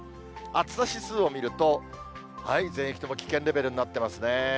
暑さ指数を見ると、全域とも危険レベルになってますね。